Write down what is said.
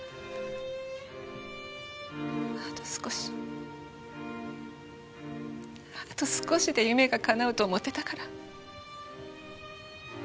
あと少しあと少しで夢がかなうと思ってたから。